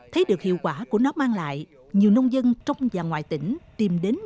thấy được hiệu quả của nó mang lại nhiều nông dân trong và ngoài tỉnh tìm đến